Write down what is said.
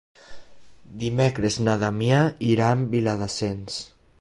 Dimecres na Damià irà a Viladasens.